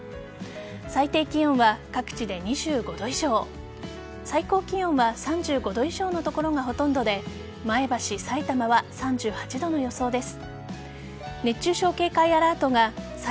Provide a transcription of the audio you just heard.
最低気温は各地で２５度以上最高気温は３５度以上の所がほとんどで前橋、さいたまは３８度の予想です。